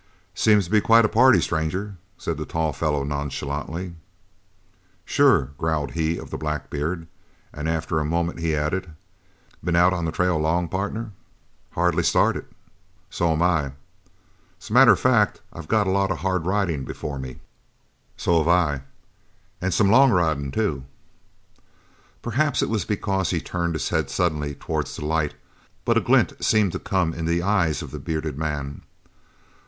"Seems to be quite a party, stranger," said the tall fellow nonchalantly. "Sure," growled he of the black beard, and after a moment he added: "Been out on the trail long, pardner?" "Hardly started." "So'm I." "As a matter of fact, I've got a lot of hard riding before me." "So've I." "And some long riding, too." Perhaps it was because he turned his head suddenly towards the light, but a glint seemed to come in the eyes of the bearded man.